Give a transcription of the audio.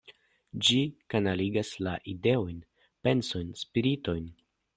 Ĝi kanaligas la ideojn, pensojn, spiritojn.